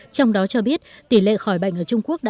trong đó cho biết tỷ lệ khỏi bệnh ở trung quốc là một